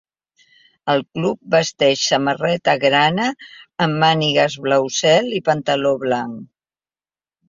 El club vesteix samarreta grana amb mànigues blau cel i pantaló blanc.